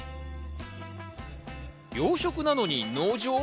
養殖なのに農場？